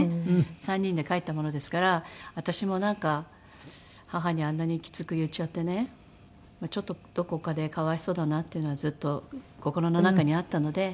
３人で帰ったものですから私もなんか母にあんなにきつく言っちゃってねちょっとどこかで可哀想だなっていうのはずっと心の中にあったので。